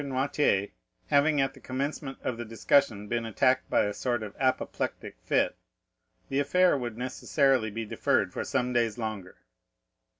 Noirtier having at the commencement of the discussion been attacked by a sort of apoplectic fit, the affair would necessarily be deferred for some days longer.